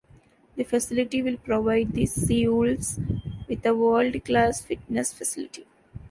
The facility will provide the Seawolves with a world-class fitness facility.